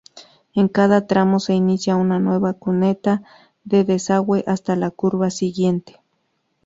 En cada tramo se inicia una nueva cuneta de desagüe hasta la curva siguiente.